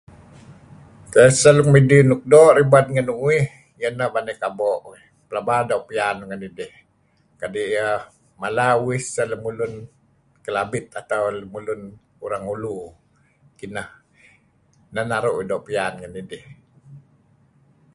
Sah nuk midih nuk doo' ribad ngen uih iah ineh Baney Kabo uih. Pelaba doo' pian uih ngen idih kadi' iyh mala uih sah lemulun Kelabit atau lun Orang Ulu. Kineh. Nah naru' uih doo' piyan ngidih.